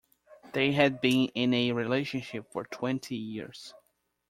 They had been in a relationship for twenty years.